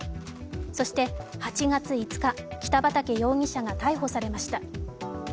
そして８月５日、北畠容疑者が逮捕されました。